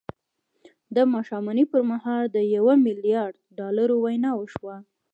د ماښامنۍ پر مهال د یوه میلیارد ډالرو وینا وشوه